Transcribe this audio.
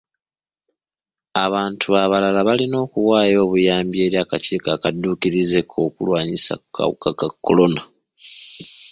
Abantu abalala balina okuwaayo obuyambi eri akakiiko akadduukirize ak'okulwanyisa akawuka ka kolona.